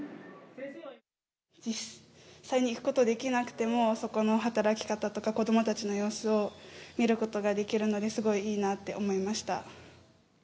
実際に行くことはできなくてもそこの働き方とか子どもたちの様子を見ることができるのですごいいいなって思いました。